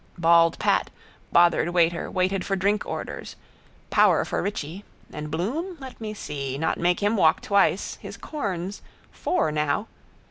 Bald Pat, bothered waiter, waited for drink orders. Power for Richie. And Bloom? Let me see. Not make him walk twice. His corns. Four now.